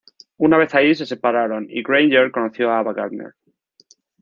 Una vez ahí se separaron y Granger conoció a Ava Gardner.